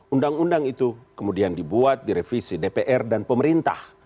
undang undang itu kemudian dibuat direvisi dpr dan pemerintah